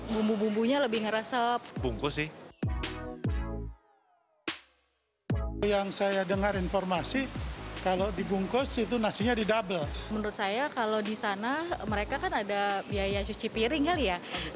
menurut saya kalau di sana mereka kan ada biaya cuci piring kali ya